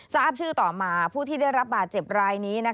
ทราบชื่อต่อมาผู้ที่ได้รับบาดเจ็บรายนี้